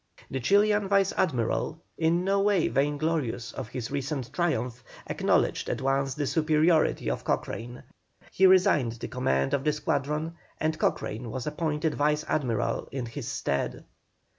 The Chilian Vice Admiral, in no way vainglorious of his recent triumph, acknowledged at once the superiority of Cochrane. He resigned the command of the squadron, and Cochrane was appointed Vice Admiral in his stead.